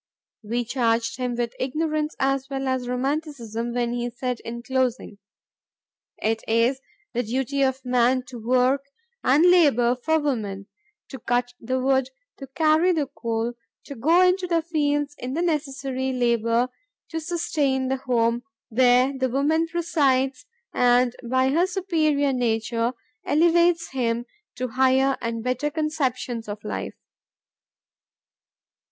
We charged him with ignorance as well as romanticism when he said in closing, "It is the duty of man to work and labor for woman; to cut the wood, to carry the coal, to go into the fields in the necessary labor to sustain the home where the woman presides and by her superior nature elevates him to higher and better conceptions of life."